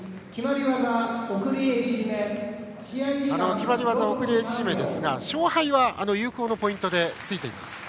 決まり技は送り襟絞めですが勝敗は有効のポイントでついています。